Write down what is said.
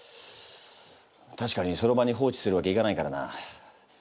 たしかにその場に放置するわけいかないからな。